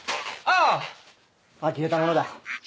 あきれたものだ。